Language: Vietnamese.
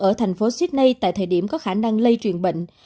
ở thành phố sydney tại thời điểm có khả năng lây truyền bệnh